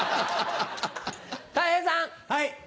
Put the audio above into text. はい。